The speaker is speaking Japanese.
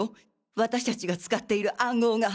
私達が使っている暗号が。